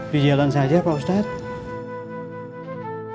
di jalan saja pak ustadz